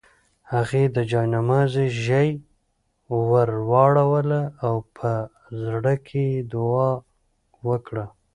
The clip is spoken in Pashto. هغې د جاینماز ژۍ ورواړوله او په زړه کې یې دعا وکړه.